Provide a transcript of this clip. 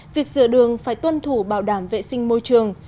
việc rửa đường phải tuân thủ bảo đảm vệ sinh môi trường